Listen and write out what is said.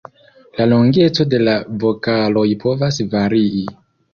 La longeco de la vokaloj povas varii.